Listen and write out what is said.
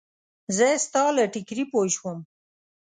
زه ستا له ټیکري پوی شوم.